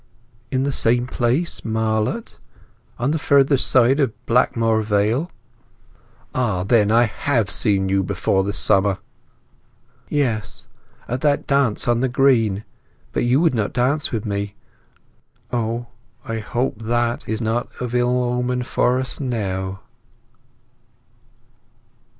"At the same place—Marlott. On the further side of Blackmoor Vale." "Ah, then I have seen you before this summer—" "Yes; at that dance on the green; but you would not dance with me. O, I hope that is of no ill omen for us now!"